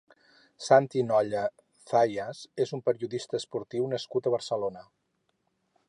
Santi Nolla Zayas és un periodista esportiu nascut a Barcelona.